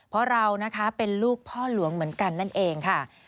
เพราะเรานะคะเป็นลูกพ่อหลวงเหมือนกันนั่นเองค่ะ